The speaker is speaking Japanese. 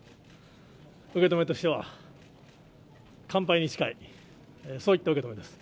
受け止めとしては、完敗に近い、そういった受け止めです。